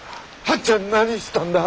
半ちゃん何したんだ？